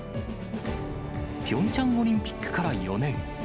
ピョンチャンオリンピックから４年。